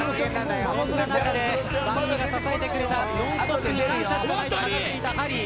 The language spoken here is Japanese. そんな中で番組が支えてくれた「ノンストップ！」に感謝しかないと話していたハリー。